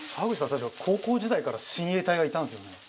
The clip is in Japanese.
確か高校時代から親衛隊がいたんですよね？